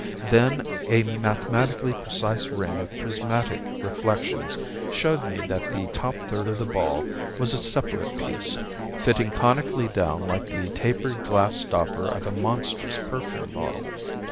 Then a mathematically precise ring of prismatic reflections showed me that the top third of the ball was a separate piece, fitting conically down like the tapered glass stopper of a monstrous perfume bottle.